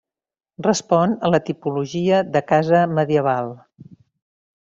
Respon a la tipologia de casa medieval.